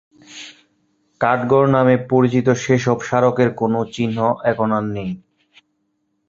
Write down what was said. কাঠগড় নামে পরিচিত সেসব স্মারকের কোনো চিহ্ন এখন আর নেই।